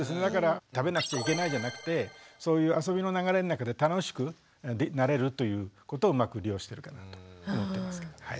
だから食べなくちゃいけないじゃなくてそういう遊びの流れの中で楽しくなれるということをうまく利用してるかなと思ってますけど。